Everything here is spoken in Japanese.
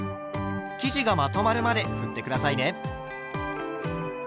生地がまとまるまでふって下さいね。